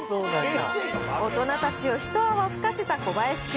大人たちを一泡吹かせた小林君。